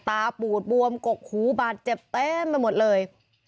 ปูดบวมกกหูบาดเจ็บเต็มไปหมดเลย